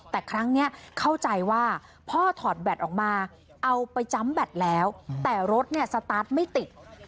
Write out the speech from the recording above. แต่ครั้งนี้เข้าใจว่าพ่อถอดแบตออกมาเอาไปจำแบตแล้วแต่รถเนี่ยสตาร์ทไม่ติด